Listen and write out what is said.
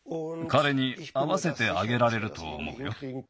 かれにあわせてあげられるとおもうよ。